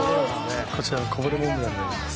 こちらはこぼれモンブランになります。